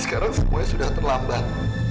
sekarang semuanya sudah terlambat